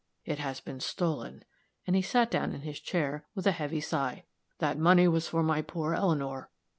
It has been stolen" and he sat down in his chair with a heavy sigh. "That money was for my poor Eleanor.